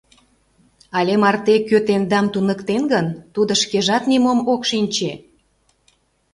Але марте кӧ тендам туныктен гын, тудо шкежат нимом ок шинче.